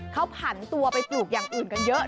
เขาผันตัวไปปลูกอย่างอื่นกันเยอะ